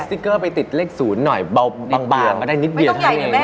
สติกเกอร์ไปติดเลข๐หน่อยเบาบางก็ได้นิดเดียว